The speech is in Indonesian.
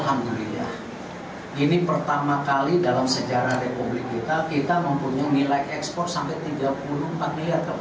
nah indonesia alhamdulillah ini pertama kali dalam sejarah republik kita kita mempunyai nilai ekspor sampai rp tiga puluh empat miliar